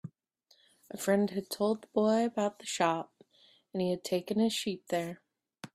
A friend had told the boy about the shop, and he had taken his sheep there.